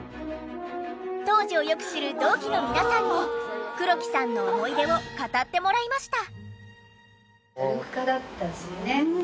当時をよく知る同期の皆さんに黒木さんの思い出を語ってもらいました。